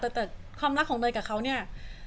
ดีค่ะแต่ความรักของนางก็เขาเนี้ย